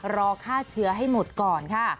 รอฆ่าเชื้อให้หมดก่อนค่ะ